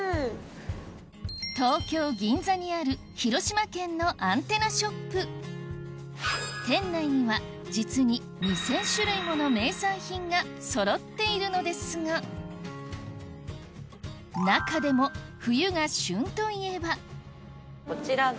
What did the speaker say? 東京・銀座にある広島県のアンテナショップ店内には実に２０００種類もの名産品がそろっているのですが中でも冬が旬といえばこちらが。